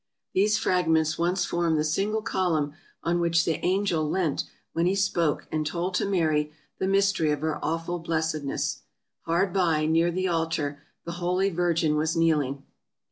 These fragments once formed the single column on which the angel leant when he spoke and told to Mary the mys tery of her awful blessedness. Hard by, near the altar, the holy Virgin was kneeling.